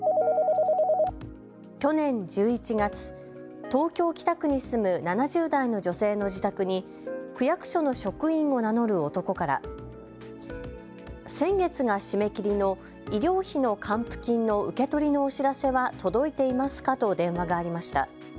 去年１１月、東京・北区に住む７０代の女性の自宅に区役所の職員を名乗る男から先月が締め切りの医療費の還付金の受け取りのお知らせは届いていますかと電話がありました。